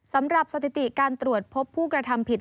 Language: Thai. สำหรับสถิติการตรวจพบผู้กระทำผิด